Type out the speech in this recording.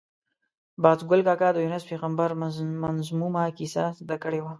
باز ګل کاکا د یونس پېغمبر منظمومه کیسه زده کړې وه.